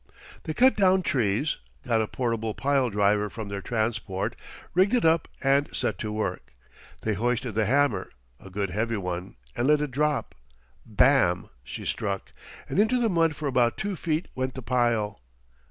They cut down trees, got a portable pile driver from their transport, rigged it up and set to work. They hoisted the hammer a good heavy one and let it drop. Bam! she struck, and into the mud for about two feet went the pile.